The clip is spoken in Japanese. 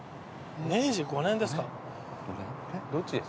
明治５年ですから。